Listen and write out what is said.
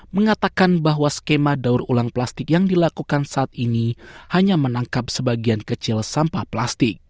mengatakan bahwa skema daur ulang plastik yang dilakukan saat ini hanya menangkap sebagian kecil sampah plastik